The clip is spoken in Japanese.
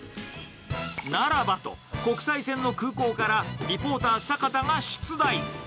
ならばと、国際線の空港からリポーター、坂田が出題。